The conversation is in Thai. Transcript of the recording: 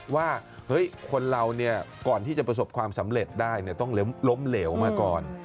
ว่าคนเราก่อนที่จะประสบความสำเร็จได้ต้องล้มเหลวมาก่อน